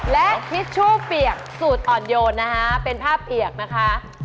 และทิชชู่เปียกสูตรอ่อนโยนนะคะเป็นภาพเปียกนะคะ